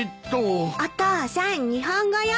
お父さん日本語よ。